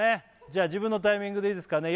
じゃあ自分のタイミングでいいですからね